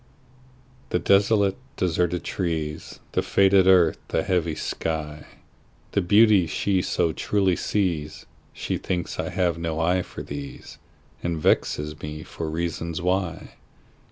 The desolate, deserted trees, The faded earth, the heavy sky, The beauties she so truly sees, She thinks I have no eye for these, And vexes me for reason why.